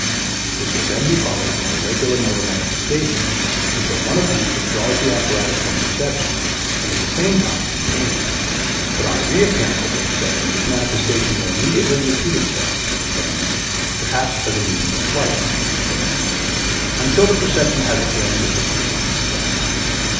This will then be followed by irregular motor manifestations until one of these withdraws the apparatus from perception and at the same time from pain, but on the reappearance of the perception this manifestation will immediately repeat itself (perhaps as a movement of flight) until the perception has again disappeared.